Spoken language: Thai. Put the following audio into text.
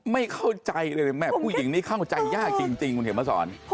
ไม่เข้าใจเลยแม่ผู้หญิงนี้เข้าใจยากจริงคุณเห็นมาสอน